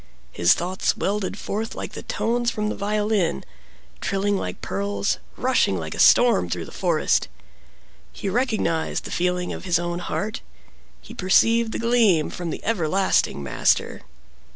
His thoughts welded forth like the tones from the violin, trilling like pearls, rushing like a storm through the forest. He recognized the feeling of his own heart—he perceived the gleam from the everlasting Master.